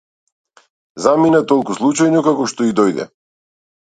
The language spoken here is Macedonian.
Замина толку случајно како што и дојде.